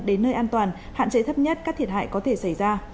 đến nơi an toàn hạn chế thấp nhất các thiệt hại có thể xảy ra